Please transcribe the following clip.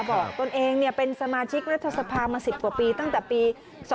ตนเองเป็นสมาชิกรัฐสภามา๑๐กว่าปีตั้งแต่ปี๒๕๖